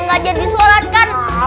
gak jadi surat kan